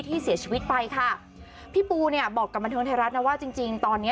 ที่เสียชีวิตไปค่ะพี่ปูเนี่ยบอกกับบันเทิงไทยรัฐนะว่าจริงจริงตอนเนี้ย